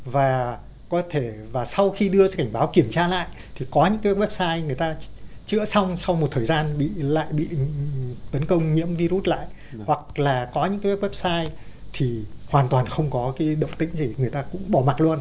và có thể và sau khi đưa cảnh báo kiểm tra lại thì có những cái website người ta chữa xong sau một thời gian lại bị tấn công nhiễm virus lại hoặc là có những cái website thì hoàn toàn không có cái động tĩnh gì người ta cũng bỏ mặt luôn